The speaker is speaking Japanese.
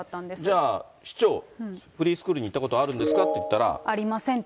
じゃあ、市長、フリースクールに行ったことがあるんですかと言ったら。